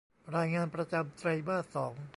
รายงานประจำไตรมาสสอง